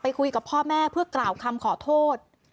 คุยกับพ่อแม่เพื่อกล่าวคำขอโทษ